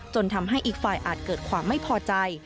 ทำให้อีกฝ่ายอาจเกิดความไม่พอใจ